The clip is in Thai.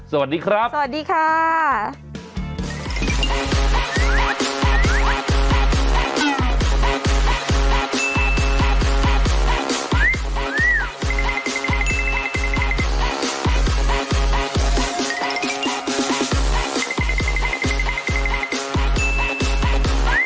สวัสดีครับ